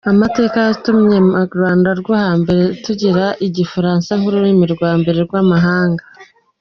Amateka yatumye mu Rwanda rwo hambere tugira Igifaransa nk’ururimi rwa mbere rw’amahanga.